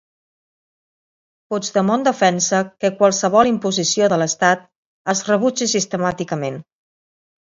Puigdemont defensa que qualsevol imposició de l'Estat es rebutgi sistemàticament.